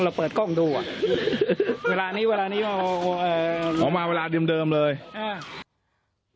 เราเปิดกล้องดูอ่ะเวลานี้เวลานี้อ๋อมาเวลาเดิมเดิมเลยอ่ะ